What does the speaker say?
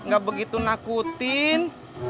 gak begitu nakutin